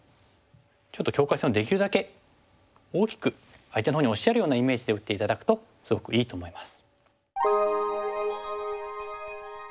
ちょっと境界線をできるだけ大きく相手のほうに押し上げるようなイメージで打って頂くとすごくいいと思います。